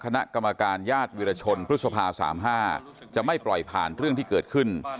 คณะกรรมการญาติวิรชนพฤษภา๓๕จะไม่ปล่อยผ่านเรื่องที่เกิดขึ้น